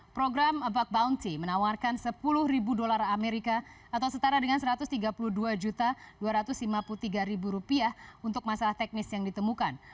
program about bounty menawarkan sepuluh dolar amerika atau setara dengan satu ratus tiga puluh dua dua ratus lima puluh tiga rupiah untuk masalah teknis yang ditemukan